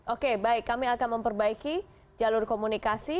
oke baik kami akan memperbaiki jalur komunikasi